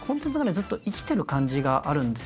ずっと生きてる感じがあるんですよね。